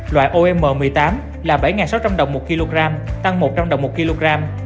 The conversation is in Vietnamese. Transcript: loại om một mươi tám là bảy sáu trăm linh đồng một kg tăng một trăm linh đồng một kg